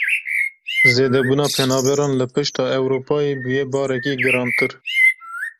Zêdebûna penaberan li pişta Ewropayê bûye barekî girantir.